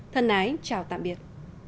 thân ái chào tạm biệt